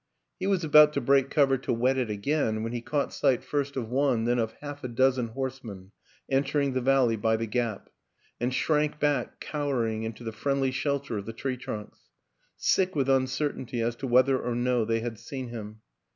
He was about to break cover to wet it again when he caught sight first of one, then of half a dozen horsemen enter ing the valley by the gap; and shrank back, cower ing, into the friendly shelter of the tree trunks sick with uncertainty as to whether or no they had seen him.